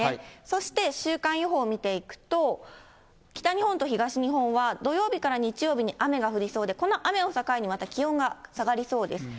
そして週間予報見ていくと、北日本と東日本は土曜日から日曜日に雨が降りそうで、この雨を境にまた気温が下がりそうです。